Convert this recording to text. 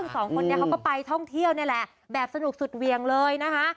สองคนนี้เขาก็ไปท่องเที่ยวนี่แหละแบบสนุกสุดเวียงเลยนะคะ